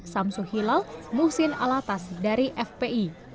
samsu hilal muhsin alatas dari fpi